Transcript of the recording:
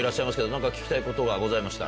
何か聞きたいことがございましたら。